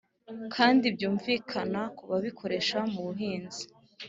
kandi byumvikana ku babikoresha mubuhinzi